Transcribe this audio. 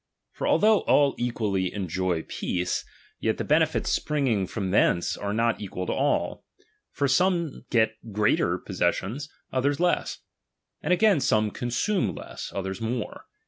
For altboaeb all equally enjoy peace, yet tbe benefits springing from thence are not equal to all ; for some get greater possessions, others less ; and again, some consume less, others more.